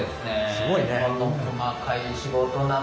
すごいね。